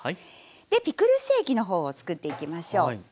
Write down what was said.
でピクルス液の方を作っていきましょう。